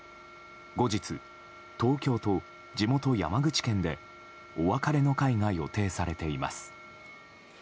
後日、東京と地元・山口県でお別れの会が予定されています。